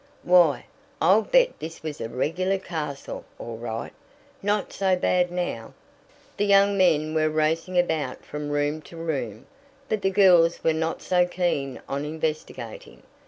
Why, I'll bet this was a regular castle, all right. Not so bad now." The young men were racing about from room to room, but the girls were not so keen on investigating.